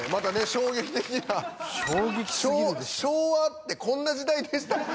衝撃的な衝撃すぎるでしょ昭和ってこんな時代でしたっけ？